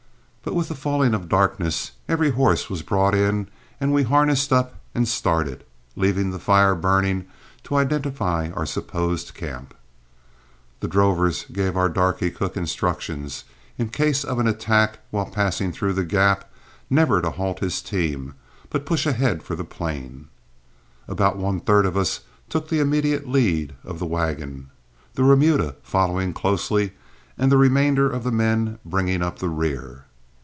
But with the falling of darkness every horse was brought in and we harnessed up and started, leaving the fire burning to identify our supposed camp. The drovers gave our darky cook instructions, in case of an attack while passing through the Gap, never to halt his team, but push ahead for the plain. About one third of us took the immediate lead of the wagon, the remuda following closely, and the remainder of the men bringing up the rear.